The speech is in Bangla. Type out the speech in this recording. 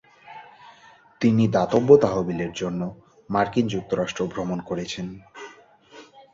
তিনি দাতব্য তহবিলের জন্য মার্কিন যুক্তরাষ্ট্র ভ্রমণ করেছেন।